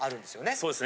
そうですね。